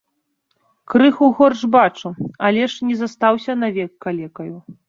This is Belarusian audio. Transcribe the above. Крыху горш бачу, але ж не застаўся навек калекаю.